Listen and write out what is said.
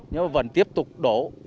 nhớ vẫn tiếp tục đổ